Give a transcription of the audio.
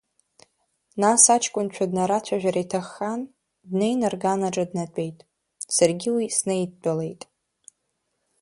Нас аҷкәынцәа днарацәажәар иҭаххан, днеины рган аҿы днатәеит, саргьы уи снаидтәалеит.